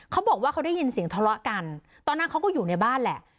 เขาบอกว่าเขาได้ยินเสียงทะเลาะกันตอนนั้นเขาก็อยู่ในบ้านแหละ